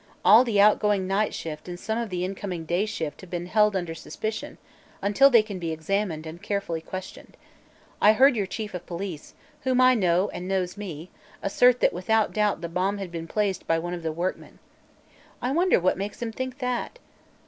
All the outgoing night shift and some of the incoming day shift have been held under suspicion, until they can be examined and carefully questioned. I heard your Chief of Police whom I know and knows me assert that without doubt the bomb had been placed by one of the workmen. I wonder what makes him think that.